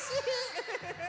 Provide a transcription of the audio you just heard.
ウフフフ！